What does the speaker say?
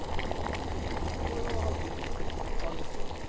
これは、あれですか。